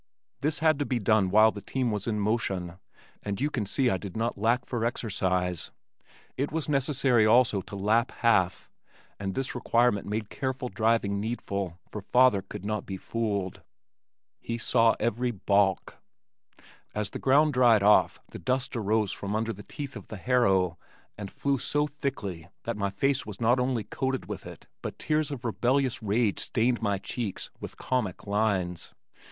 This had to be done while the team was in motion, and you can see I did not lack for exercise. It was necessary also to "lap half" and this requirement made careful driving needful for father could not be fooled. He saw every "balk." As the ground dried off the dust arose from under the teeth of the harrow and flew so thickly that my face was not only coated with it but tears of rebellious rage stained my cheeks with comic lines.